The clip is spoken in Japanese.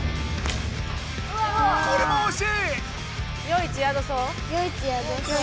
これもおしい！